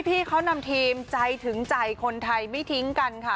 พี่เขานำทีมใจถึงใจคนไทยไม่ทิ้งกันค่ะ